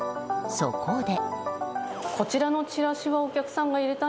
そこで。